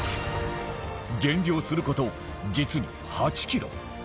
減量する事実に８キロ